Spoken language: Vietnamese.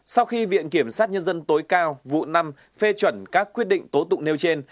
sau khi viện kiểm sát nhân dân tối cao vụ năm phê chuẩn các quyết định tố tụng nêu trên